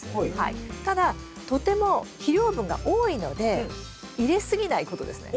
ただとても肥料分が多いので入れすぎないことですね。